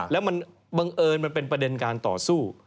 แล้วมันบังเอิญมันเป็นประเด็นการต่อสู้